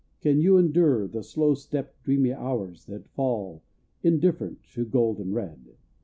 Can you endure the slow stepped, dreamy hours That fall, indifferent, to gold and red?